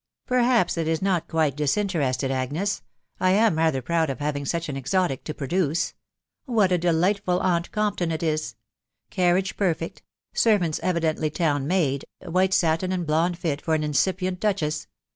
" Perhaps it is not quite disinterested, Agnes. ••• I am rather proud of having such an exotic to produce. ... What a delightful aunt Compton it is !.... Carriage perfect .•• servants evidently town made .... white satin and blonde fit for an incipient duchess